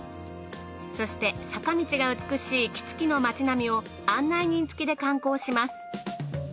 そして坂道が美しい杵築の町並みを案内人つきで観光します。